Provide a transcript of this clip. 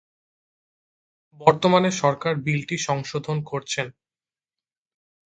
বর্তমানে সরকার বিলটি সংশোধন করছেন।